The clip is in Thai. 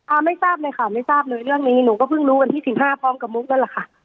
ไม่ทราบเลยค่ะไม่ทราบเลยเรื่องนี้หนูก็เพิ่งรู้วันที่สิบห้าพร้อมกับมุกนั่นแหละค่ะ